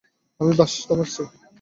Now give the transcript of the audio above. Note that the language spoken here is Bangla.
আমি বাস থামাচ্ছি।